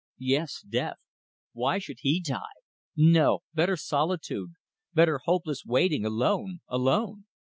Yes, death. Why should he die? No! Better solitude, better hopeless waiting, alone. Alone.